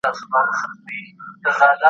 تاسي په خپلو خبرو کي احتیاط کوئ.